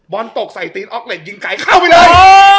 ตกใส่ตีนออกเหล็กยิงไก่เข้าไปเลย